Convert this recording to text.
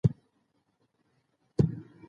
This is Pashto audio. د هر ماشوم په لاس کې قلم ورکړئ.